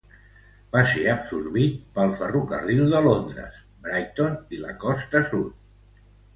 Va ser absorbit pel ferrocarril de Londres, Brighton i la Costa Sud.